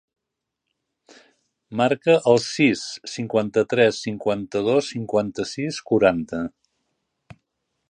Marca el sis, cinquanta-tres, cinquanta-dos, cinquanta-sis, quaranta.